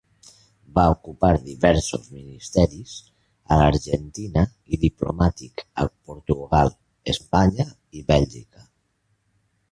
Va ocupar diversos ministeris a l'Argentina i diplomàtic a Portugal, Espanya i Bèlgica.